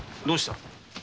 どうした？